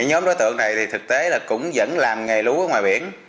nhóm đối tượng này thực tế cũng vẫn làm nghề lú ở ngoài biển